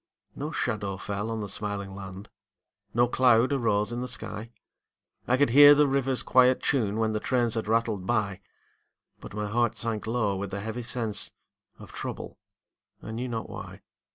No shadow fell on the smiling land, No cloud arose in the sky; I could hear the river's quiet tune When the trains had rattled by; But my heart sank low with a heavy sense Of trouble, I knew not why.